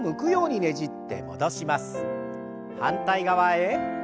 反対側へ。